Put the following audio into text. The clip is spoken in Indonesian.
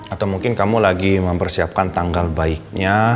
atau mungkin kamu lagi mempersiapkan tanggal baiknya